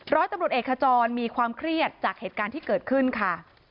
ร้อยตำรวจเอกขจรมีความเครียดจากเหตุการณ์ที่เกิดขึ้นค่ะ